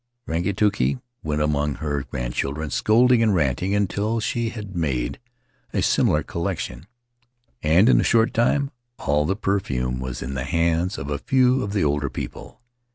Rangituki went among her grandchildren scolding and rating, until she had made a similar collection, and in a short time all of the per fume was in the hands of a few of the older people.